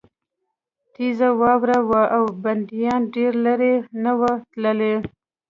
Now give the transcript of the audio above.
تېزه واوره وه او بندیان ډېر لېرې نه وو تللي